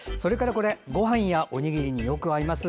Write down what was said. ごはんやおにぎりによく合います。